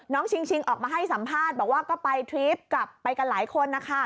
ชิงชิงออกมาให้สัมภาษณ์บอกว่าก็ไปทริปกลับไปกันหลายคนนะคะ